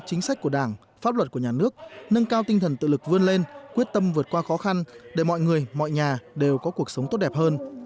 chính sách của đảng pháp luật của nhà nước nâng cao tinh thần tự lực vươn lên quyết tâm vượt qua khó khăn để mọi người mọi nhà đều có cuộc sống tốt đẹp hơn